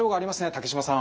竹島さん。